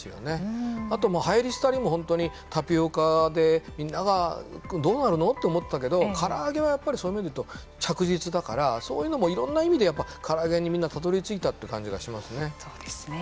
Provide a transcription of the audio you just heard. あとまあはやり廃りも本当にタピオカでみんなが「どうなるの？」って思ってたけどから揚げはやっぱりそういう意味で言うと着実だからそういうのもいろんな意味でやっぱから揚げにみんなたどりついたっていう感じがしますね。